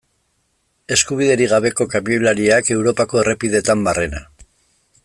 Eskubiderik gabeko kamioilariak Europako errepideetan barrena.